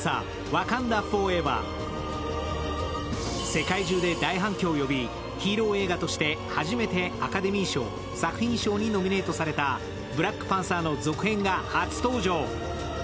世界中で大反響を呼びヒーロー映画として初めてアカデミー賞作品賞にノミネートされた「ブラックパンサー」の続編が初登場。